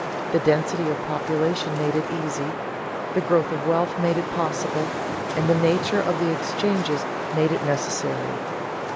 The density of population made it easy, the growth of wealth made it possible, and the nature of the exchanges made it necessary.